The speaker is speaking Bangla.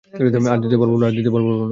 আমি দ্বিতীয়বার বলবো না।